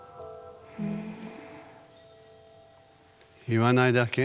言わないだけ。